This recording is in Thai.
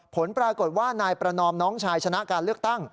ผลปรากฏว่านายประนอมน้องชายชนะการเลือกตั้ง